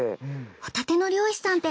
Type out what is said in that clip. ホタテの漁師さんって